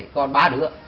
còn ba đứa